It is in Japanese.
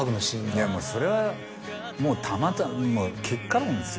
いやもうそれはもうたまたま結果論ですよ。